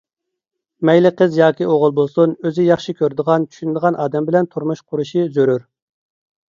مەيلى قىز ياكى ئوغۇل بولسۇن، ئۆزى ياخشى كۆرىدىغان، چۈشىنىدىغان ئادەم بىلەن تۇرمۇش قۇرۇشى زۆرۈر.